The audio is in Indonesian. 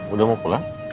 udah mau pulang